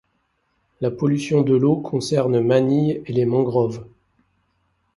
La pollution de l'eau concerne Manille et les mangroves.